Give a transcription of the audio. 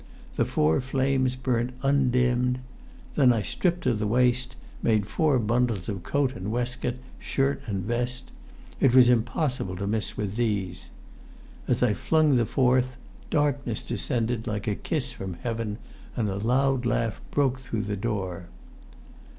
The four flames burnt undimmed. Then I stripped to the waist, made four bundles of coat and waistcoat, shirt and vest. It was impossible to miss with these. As I flung the fourth, darkness descended like a kiss from heaven and a loud laugh broke through the door.